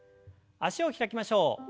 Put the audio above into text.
脚を開きましょう。